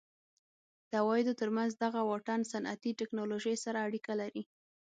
د عوایدو ترمنځ دغه واټن صنعتي ټکنالوژۍ سره اړیکه لري.